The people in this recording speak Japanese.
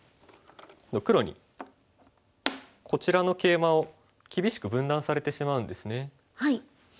黒にこちらのケイマを厳しく分断されてしまうんですね。